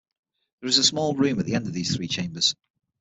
There is a small room at the end of these three chambers.